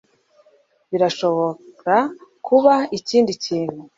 Birashobora kuba ikindi kintu